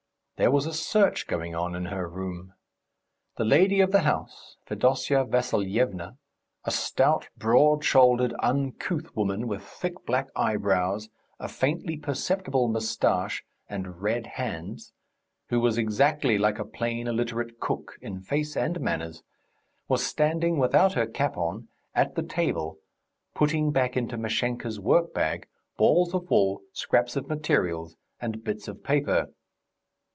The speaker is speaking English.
There was a search going on in her room. The lady of the house, Fedosya Vassilyevna, a stout, broad shouldered, uncouth woman with thick black eyebrows, a faintly perceptible moustache, and red hands, who was exactly like a plain, illiterate cook in face and manners, was standing, without her cap on, at the table, putting back into Mashenka's workbag balls of wool, scraps of materials, and bits of paper....